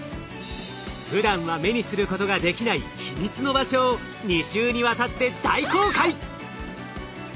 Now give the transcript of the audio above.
ふだんは目にすることができない秘密の場所を２週にわたって大公開！